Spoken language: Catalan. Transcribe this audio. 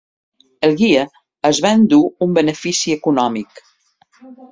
El guia es va endur un benefici econòmic.